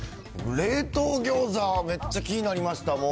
冷凍餃子はめっちゃ気になりました。